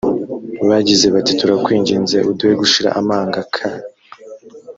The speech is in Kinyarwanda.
bagize bati turakwinginze uduhe gushira amanga k